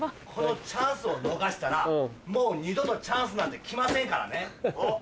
このチャンスを逃したらもう二度とチャンスなんて来ませんからね！